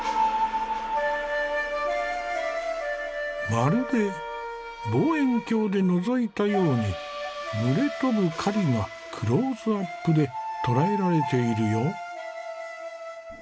まるで望遠鏡でのぞいたように群れ飛ぶ雁がクローズアップで捉えられているよ。